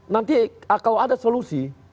nanti kalau ada solusi